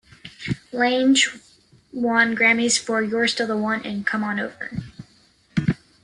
Lange won Grammys for "You're Still the One" and "Come On Over".